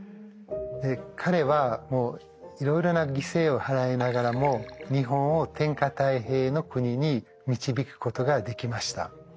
彼はいろいろな犠牲を払いながらも日本を天下泰平の国に導くことができました。